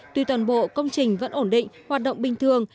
tuy toàn bộ công trình vẫn ổn định hoạt động bình thường